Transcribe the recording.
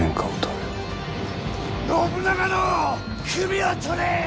信長の首を取れ！